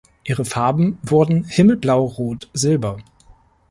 Ihre Farben wurden: himmelblau-rot-silber.